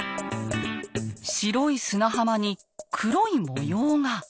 白い砂浜に黒い模様が。